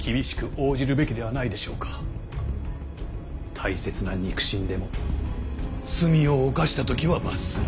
大切な肉親でも罪を犯した時は罰する。